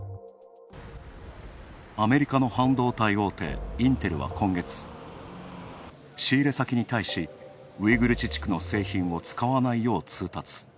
アメリカの半導体大手・インテルは今月仕入れ先に対し、ウイグル自治区の製品を使わないよう通達。